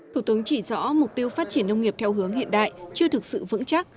thủ tướng chỉ rõ mục tiêu phát triển nông nghiệp theo hướng hiện đại chưa thực sự vững chắc